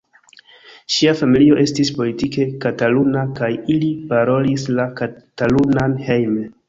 Ŝia familio estis politike kataluna kaj ili parolis la katalunan hejme.